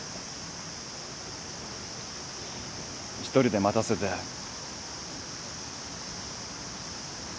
一人で待たせてごめん。